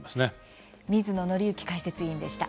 水野倫之解説委員でした。